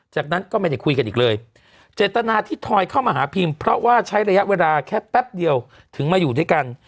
จากนั้นก็ไม่ได้คุยกันอีกเลยเจตนาที่ทอยเข้ามาหาพิมเพราะว่าใช้ระยะเวลาแค่แป๊บเดียวถึงมาอยู่ด้วยกัน